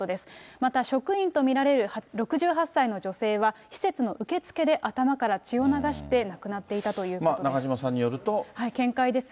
また、職員と見られる６８歳の女性は、施設の受付で頭から血を流して亡くなっていたということです。